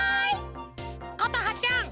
ことはちゃん。